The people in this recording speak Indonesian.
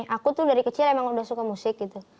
aku tuh dari kecil emang udah suka musik gitu